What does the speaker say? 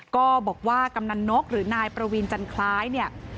ก็บอกว่ากำหนังนกหรือนายประวีนจันทราย